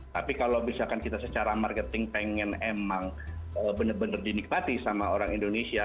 tapi kalau misalkan kita secara marketing pengen emang bener bener dinikmati sama orang indonesia